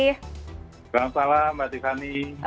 selamat malam mbak tiffany